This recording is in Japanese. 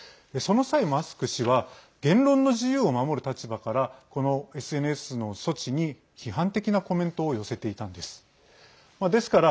その際、マスク氏は言論の自由を守る立場からこのＳＮＳの措置に批判的なコメントを寄せていたんです。